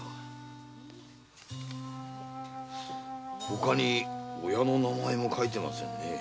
ほかに親の名前も書いてませんねぇ。